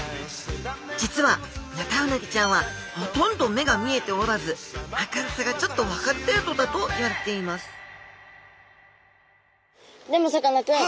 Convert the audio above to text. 実はヌタウナギちゃんはほとんど目が見えておらず明るさがちょっと分かる程度だといわれていますでもさかなクン